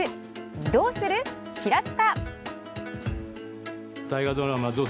どうする平塚？